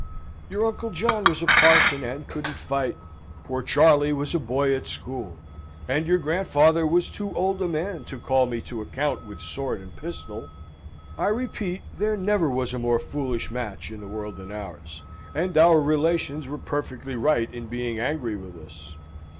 Your Uncle John was a parson and couldn't fight, poor Charley was a boy at school, and your grandfather was too old a man to call me to account with sword and pistol. I repeat there never was a more foolish match in the world than ours, and our relations were perfectly right in being angry with us.